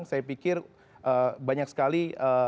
saya pikir banyak sekali